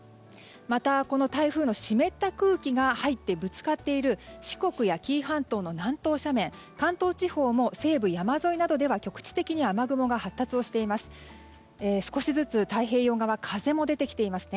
また、この台風の湿った空気が入ってぶつかっている四国や紀伊半島の南東斜面関東地方も西部、山沿いなどでは局地的に雨雲が発達しています。